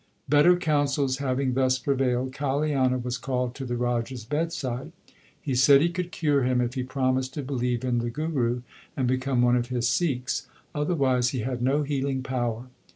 Better counsels having thus prevailed, Kaliana was called to the Raja s bedside. He said he could cure him if he promised to believe in the Guru and become one of his Sikhs ; otherwise he had no healing power.